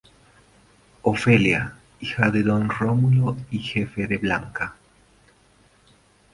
Ofelia, hija de Don Rómulo y jefe de Blanca.